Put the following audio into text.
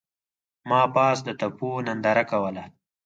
ما پاس د تپو ننداره کوله.